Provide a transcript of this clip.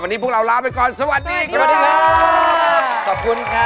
วันนี้พวกเราลาไปก่อนสวัสดีครับ